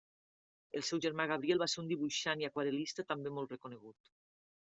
El seu germà Gabriel va ser un dibuixant i aquarel·lista també molt reconegut.